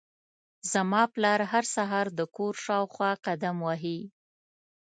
زما پلار هر سهار د کور شاوخوا قدم وهي.